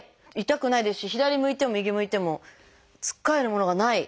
痛くないですし左向いても右向いてもつっかえるものがない。